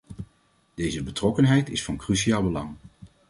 Deze betrokkenheid is van cruciaal belang.